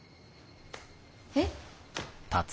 えっ？